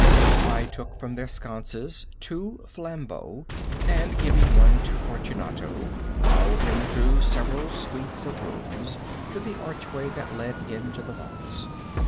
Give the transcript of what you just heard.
I took from their sconces two flambeaux, and giving one to Fortunato, bowed him through several suites of rooms to the archway that led into the vaults.